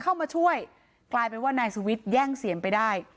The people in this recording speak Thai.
เข้ามาช่วยกลายเป็นว่านายสุวิทย์แย่งเสียงไปได้